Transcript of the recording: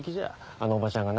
あのおばちゃんがな